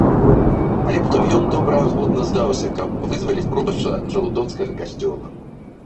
Але потым ён добраахвотна здаўся, каб вызваліць пробашча жалудоцкага касцёла.